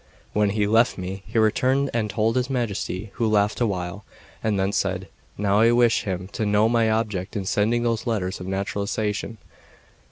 When he left me, he returned and told his Majesty, who laughed awhile, and then said: "Now I wish him to know my object in sending those letters of naturalisation.